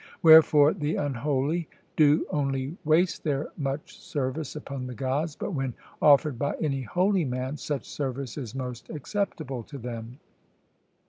Wherefore the unholy do only waste their much service upon the Gods, but when offered by any holy man, such service is most acceptable to them.